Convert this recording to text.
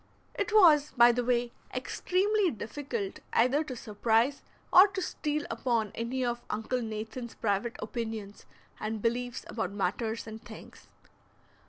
It was, by the way, extremely difficult either to surprise or to steal upon any of Uncle Nathan's private opinions and beliefs about matters and things.